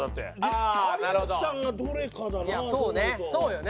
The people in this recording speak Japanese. そうよね。